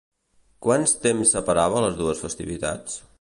Quants temps separava les dues festivitats?